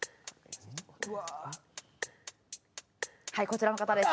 はいこちらの方です。